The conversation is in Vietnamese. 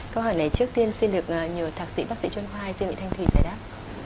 câu hỏi này trước tiên xin được nhờ thạc sĩ bác sĩ chân khoai diệm vị thanh thùy giải đáp